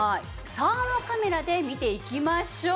サーモカメラで見ていきましょう。